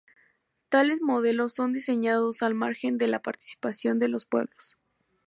Tales modelos son diseñados al margen de la participación de los pueblos.